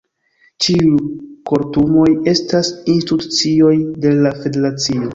Ĉiuj kortumoj estas institucioj de la federacio.